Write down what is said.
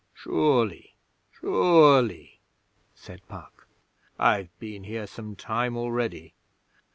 'Surely, sure ly,' said Puck. 'I've been here some time already.